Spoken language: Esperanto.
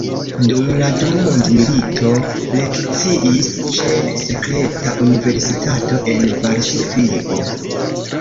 Dum la dua mondmilito lekciis ĉe sekreta universitato en Varsovio.